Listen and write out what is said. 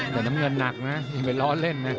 แต่น้ำเงินนางนะบ่อยร้อนเล่นน่ะ